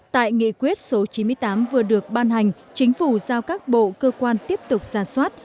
tại nghị quyết số chín mươi tám vừa được ban hành chính phủ giao các bộ cơ quan tiếp tục giả soát